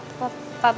eh pak b